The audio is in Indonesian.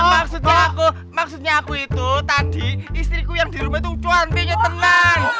maksudnya aku maksudnya aku itu tadi istriku yang di rumah itu cuantinya tenang